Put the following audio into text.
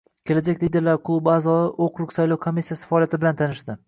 “Kelajak liderlari” klubi a’zolari okrug saylov komissiyasi faoliyati bilan tanishdi